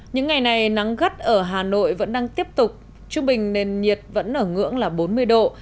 những ngày này nắng gắt ở hà nội vẫn đang tiếp tục trung bình nền nhiệt vẫn ở ngưỡng là bốn mươi độ